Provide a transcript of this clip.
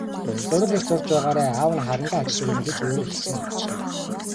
Зураг их зурж байгаарай, аав нь харандаа авчирч өгнө гэж өөрөө хэлсэн юм чинь.